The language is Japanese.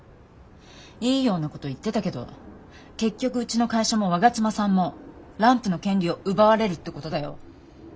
いいようなこと言ってたけど結局うちの会社も我妻さんもランプの権利を奪われるってことだよ？